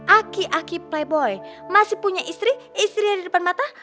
aki aki playboy masih punya istri istrinya di depan mata